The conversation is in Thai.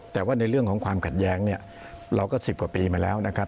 แต่ว่าในเรื่องของความขัดแย้งเนี่ยเราก็๑๐กว่าปีมาแล้วนะครับ